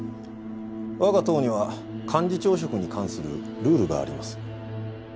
我が党には幹事長職に関するルールがあります。